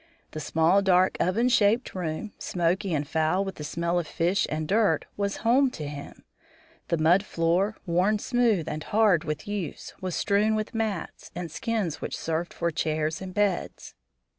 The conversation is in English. The small, dark, oven shaped room, smoky and foul with the smell of fish and dirt, was home to him the mud floor, worn smooth and hard with use, was strewn with mats and skins which served for chairs and beds.